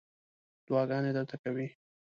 دعاګانې درته کوي.